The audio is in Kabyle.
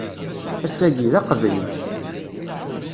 Ass-agi, d aqebli.